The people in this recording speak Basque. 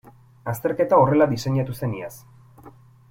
Azterketa horrela diseinatu zen iaz.